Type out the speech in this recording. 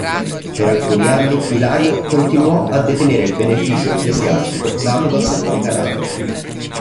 Per alcuni anni Ilario continuò a detenere il beneficio ecclesiastico dato dal suo decanato.